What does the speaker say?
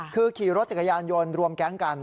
คือขี่รถจักรยานยนต์รวมแก๊งกัน